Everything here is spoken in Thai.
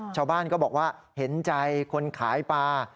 ชาวบ้านก็บอกว่าเห็นใจคนขายปลา